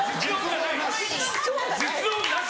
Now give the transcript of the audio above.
実音なし。